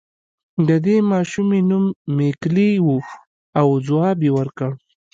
د دې ماشومې نوم ميکلي و او ځواب يې ورکړ.